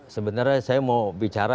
sebenarnya saya mau bicara